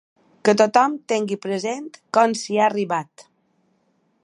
Que tothom tingui present com s’hi ha arribat.